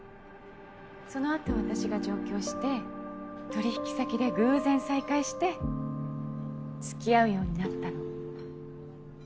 その後私が上京して取引先で偶然再会して付き合うようになったの。